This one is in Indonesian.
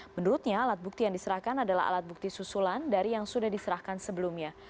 menurutnya alat bukti yang diserahkan adalah alat bukti susulan dari yang sudah diserahkan sebelumnya